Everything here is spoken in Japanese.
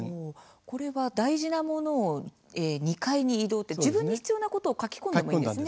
これは大事なものを２階に移動自分に必要なことを書き込んでるんですね。